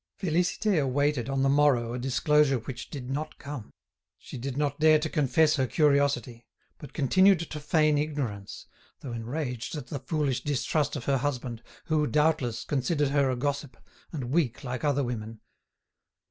Félicité awaited, on the morrow, a disclosure which did not come. She did not dare to confess her curiosity; but continued to feign ignorance, though enraged at the foolish distrust of her husband, who, doubtless, considered her a gossip, and weak like other women.